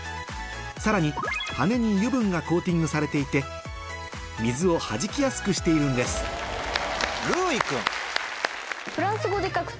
さらに羽に油分がコーティングされていて水をはじきやすくしているんでするうい君。